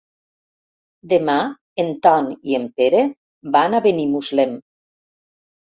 Demà en Ton i en Pere van a Benimuslem.